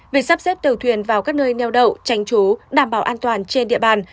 việc sắp xếp tờ thuyền vào các nơi neo đậu tránh trú đảm bảo an toàn trên địa bàn